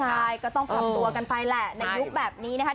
ใช่ก็ต้องปรับตัวกันไปแหละในยุคแบบนี้นะคะ